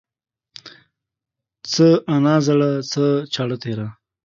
څه انا زړه ، څه چاړه تيره.